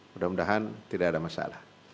mudah mudahan tidak ada masalah